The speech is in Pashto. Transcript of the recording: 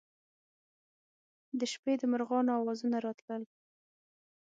د شپې د مرغانو اوازونه راتلل.